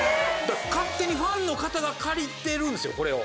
勝手にファンの方が借りてるんですこれを。